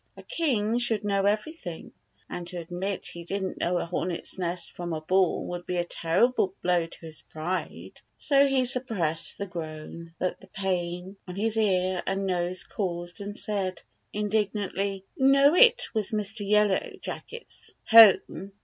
A king should know everything, and to admit he didn't know a hornet's nest from a ball would be a terrible blow to his pride. So he suppressed 22 Bumper's Ignorance Excites Suspicion the groan that the pain on his ear and nose caused, and said indignantly: ''Know it was Mr. Yellow Jacket's home!